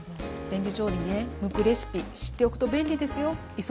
レンジ調理にね向くレシピ知っておくと便利ですよ！